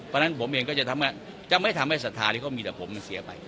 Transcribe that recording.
เพราะฉะนั้นผมเองก็จะไม่ทำให้ศรัทธาที่เขามีแต่ผมมันเสียไป